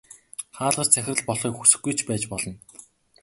Хаалгач захирал болохыг хүсэхгүй ч байж болно.